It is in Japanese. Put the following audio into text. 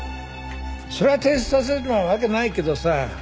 そりゃ提出させるのはわけないけどさ。